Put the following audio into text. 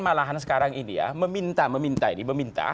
malahan sekarang ini ya meminta